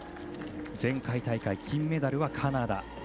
前回大会、金メダルはカナダ。